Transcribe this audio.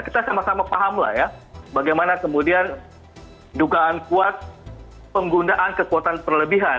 kita sama sama pahamlah ya bagaimana kemudian dugaan kuat penggunaan kekuatan perlebihan